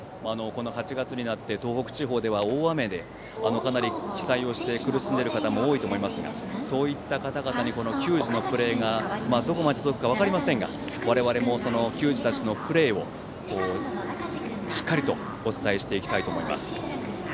８月になって東北地方では、大雨でかなり被災して苦しんでいる方も多いと思いますがそういった方々に球児のプレーがどこまで届くか分かりませんが我々も球児たちのプレーをしっかりとお伝えしていきたいと思います。